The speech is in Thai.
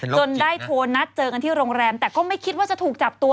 จนได้โทรนัดเจอกันที่โรงแรมแต่ก็ไม่คิดว่าจะถูกจับตัว